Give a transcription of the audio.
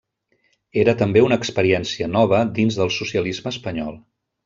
Era també una experiència nova dins del socialisme espanyol.